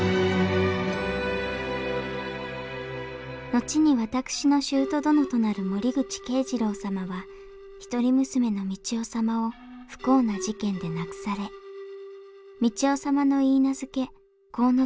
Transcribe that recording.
後に私の舅殿となる森口慶次郎様は一人娘の三千代様を不幸な事件で亡くされ三千代様の許嫁晃之